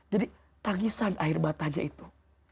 jadi tangisan akhir matanya itu